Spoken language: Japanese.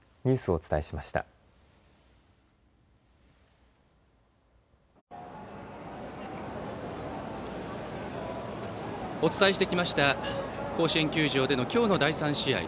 お伝えしてきました甲子園球場での今日の第３試合。